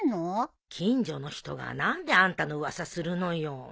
近所の人が何であんたの噂するのよ。